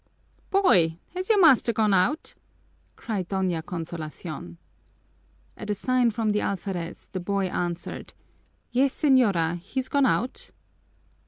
"Boy, has your master gone out?" cried Doña Consolacion. At a sign from the alferez the boy answered, "Yes, señora, he's gone out."